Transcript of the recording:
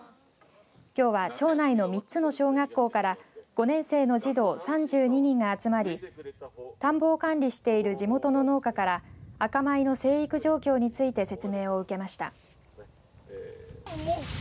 きょうは町内の３つの小学校から５年生の児童３２人が集まり田んぼを管理している地元の農家から赤米の成育状況について説明を受けました。